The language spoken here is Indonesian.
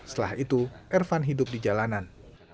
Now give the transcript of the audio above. setelah itu ervan hidup di jalanan